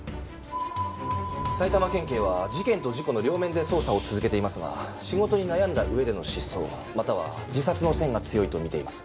埼玉県警は事件と事故の両面で捜査を続けていますが仕事に悩んだ上での失踪または自殺の線が強いと見ています。